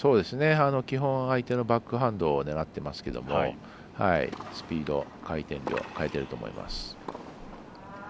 基本、相手のバックハンドを狙っていますけどスピード、回転量変えてると思います。